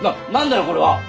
これは。